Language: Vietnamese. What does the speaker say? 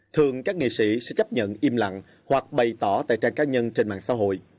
thường các nghệ sĩ sẽ chấp nhận im lặng hoặc bày tỏ tại trang cá nhân trên mạng xã hội